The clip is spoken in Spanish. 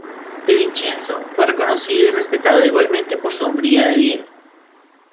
De Vicenzo fue reconocido y respetado igualmente por su hombría de bien.